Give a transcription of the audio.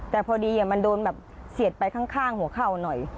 แต่พอดีมันโดนแบบเสียดไปข้างหัวเข่าหน่อย